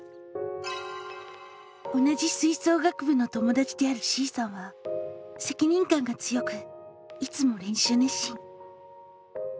同じ吹奏楽部の友だちであるＣさんは責任感が強くいつも練習熱心。